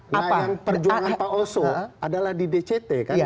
nah yang perjuangan pak oso adalah di dct kan